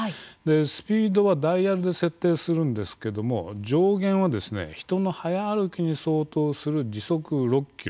スピードはダイヤルで設定するんですけれども上限は人の早歩きに相当する時速６キロ。